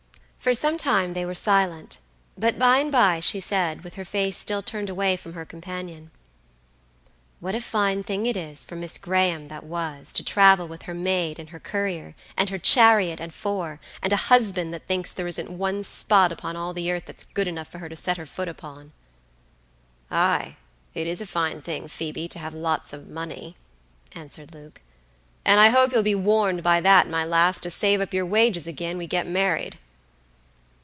For some time they were silent, but by and by she said, with her face still turned away from her companion: "What a fine thing it is for Miss Graham that was, to travel with her maid and her courier, and her chariot and four, and a husband that thinks there isn't one spot upon all the earth that's good enough for her to set her foot upon!" "Ay, it is a fine thing, Phoebe, to have lots of money," answered Luke, "and I hope you'll be warned by that, my lass, to save up your wages agin we get married."